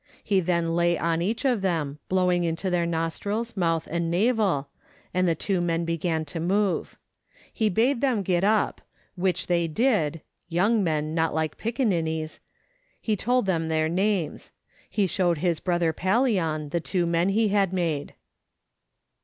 He then lay on each of them, blowing into their nostrils, mouth, and navel, and the two men began to move. He bade them get up, which they did (young men, not like pickaninnies); he told them their names ; he showed his brother Pallian the two men he had made.